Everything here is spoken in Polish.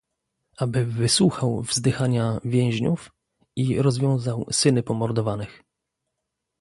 Aby wysłuchał wzdychania więźniów — i rozwiązał syny pomordowanych.